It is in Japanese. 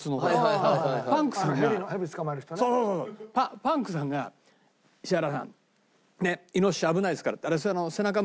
パンクさんが「石原さんねっイノシシ危ないですから」。